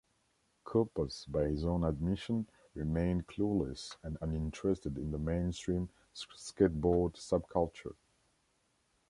Kaupas by his own admission remained clueless and uninterested in the mainstream skateboard subculture.